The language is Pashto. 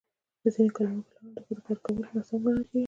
په ځینو کلیو کې لا هم د ښځو کار کول ناسم ګڼل کېږي.